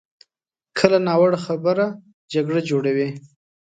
کله ناوړه خبره جګړه جوړوي.